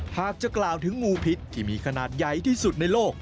หากจะกล่าวถึงงูพิษที่มีขนาดใหญ่ที่สุดในโลก